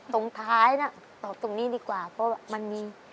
ตรงท้ายนะตอบตรงนี้ดีกว่าเพราะว่ามันมี